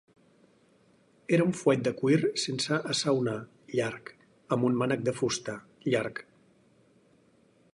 Un era un fuet de cuir sense assaonar, llarg, amb un mànec de fusta, llarg.